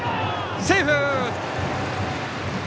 セーフ！